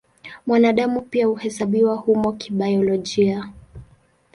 Mwanadamu pia huhesabiwa humo kibiolojia.